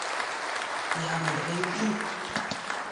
Ya, met reoù bihan.